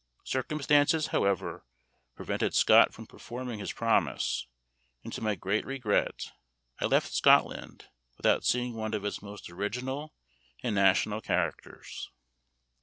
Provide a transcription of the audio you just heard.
Circumstances, however, prevented Scott from performing his promise; and to my great regret I left Scotland without seeing one of its most original and national characters.